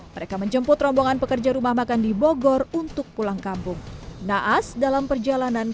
mereka menjemput rombongan pekerja rumah makan di bogor untuk pulang kampung naas dalam perjalanan